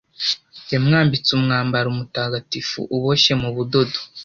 Yamwambitse umwambaro mutagatifu, uboshye mu budodo